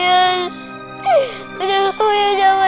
aku yang jawabnya apa